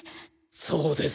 そうです。